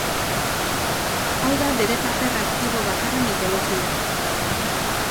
Hau da bere paper aktibo bakarra mitologian.